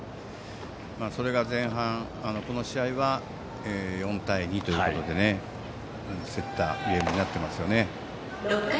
それが前半でこの試合は４対２ということで非常に競ったゲームになっています。